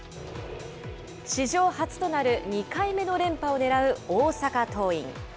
史上初となる２回目の連覇を狙う大阪桐蔭。